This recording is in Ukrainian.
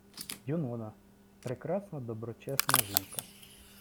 Юнона — прекрасна, доброчесна жінка